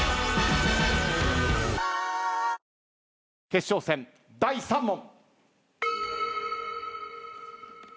ＪＴ決勝戦第３問。